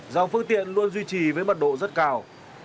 dòng phương tiện luôn duy trì với mật độ rất cao